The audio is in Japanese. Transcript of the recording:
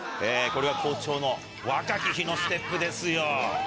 これが校長の若き日のステップですよ。